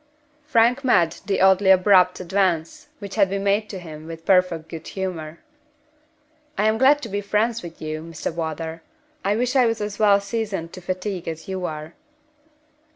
Frank met the oddly abrupt advance which had been made to him with perfect good humor. "I am glad to be friends with you, Mr. Wardour. I wish I was as well seasoned to fatigue as you are."